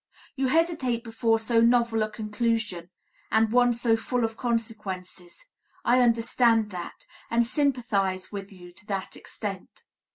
You hesitate before so novel a conclusion and one so full of consequences. I understand that, and sympathize with you to that extent.